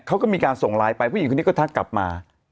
เขาก็มีการส่งไลน์ไปผู้หญิงคนนี้ก็ทักกลับมา